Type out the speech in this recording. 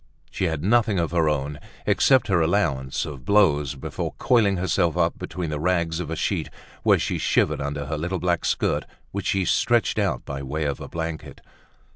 She had nothing of her own, excepting her allowance of blows, before coiling herself up between the rags of a sheet, where she shivered under her little black skirt, which she stretched out by way of a blanket.